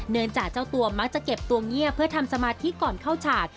จากเจ้าตัวมักจะเก็บตัวเงียบเพื่อทำสมาธิก่อนเข้าฉาก